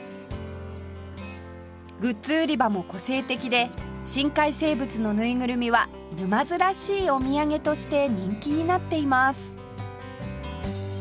グッズ売り場も個性的で深海生物のぬいぐるみは沼津らしいお土産として人気になっています